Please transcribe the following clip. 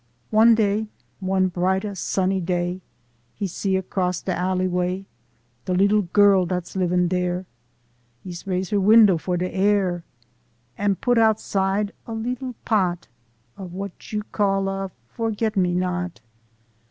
Wan day, wan brighta sunny day He see, across da alleyway, Da leetla girl dat's livin' dere Ees raise her window for da air An' put outside a leetla pot Of w'at you calla forgat me not.